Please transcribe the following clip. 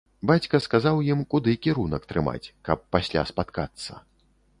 Бацька сказаў ім, куды кірунак трымаць, каб пасля спаткацца.